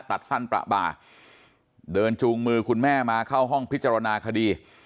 ตัดสั้นประบาเดินจูงมือคุณแม่มาเข้าห้องพิจารณาคดี